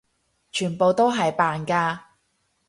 全部都係扮㗎！